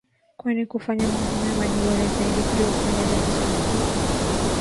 Kwani kufanya mambo mema Ni Bora Zaidi kuliko kufanya dhambi za Dunia